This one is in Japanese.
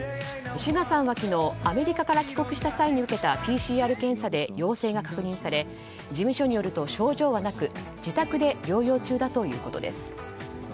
ＳＵＧＡさんは、昨日アメリカから帰国した際に受けたＰＣＲ検査で陽性が確認され事務所によると症状はなく自宅で療養中だということです。